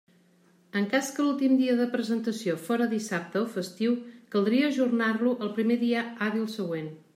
En cas que l'últim dia de presentació fóra dissabte o festiu, caldria ajornar-lo al primer dia hàbil següent.